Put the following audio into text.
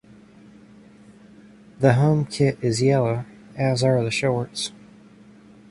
The home kit is yellow, as are the shorts.